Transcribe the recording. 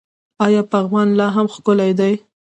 آیا پغمان لا هم ښکلی دی؟